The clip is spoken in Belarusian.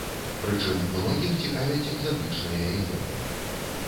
Прычым, многіх цікавяць экзатычныя імёны.